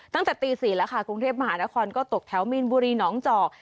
ตั้งแต่ตี๔แล้วค่ะกรุงเทพมหานครก็ตกแถวมีนบุรีหนองจอก